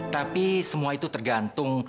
tapi semua itu tergantung